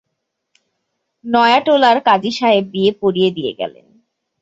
নয়াটোলার কাজিসাহেব বিয়ে পড়িয়ে দিয়ে গেলেন।